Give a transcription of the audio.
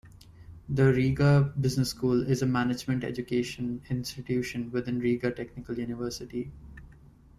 The Riga Business School is a management–education institution within Riga Technical University.